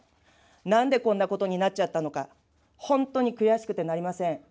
なんでこんなことになっちゃったのか、本当に悔しくてなりません。